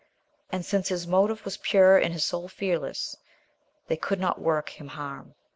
And, since his motive was pure and his soul fearless, they could not work him harm.